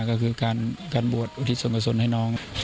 ก็คือการบวชอุทิศส่วนกษลให้น้อง